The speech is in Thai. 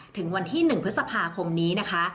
ถึงวันที่๑พฤษภาคมนี้นะคะ